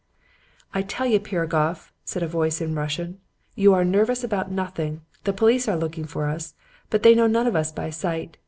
"'I tell you, Piragoff,' a voice said in Russian, 'you are nervous about nothing. The police are looking for us, but they know none of us by sight.